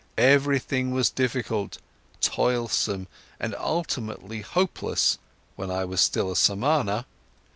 Everything was difficult, toilsome, and ultimately hopeless, when I was still a Samana.